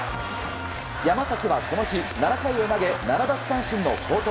山崎はこの日７回を投げ７奪三振の好投。